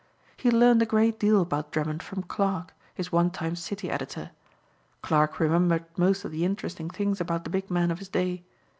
He had learned a great deal about Drummond from Clarke, his one time city editor. Clarke remembered most of the interesting things about the big men of his day.